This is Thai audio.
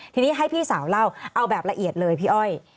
ทีนี้ให้พี่สาวเล่าเอาแบบละเอียดเลยพี่อ้อย